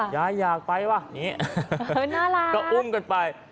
ยายอยากไปว่ะนี่อุ้มกันไป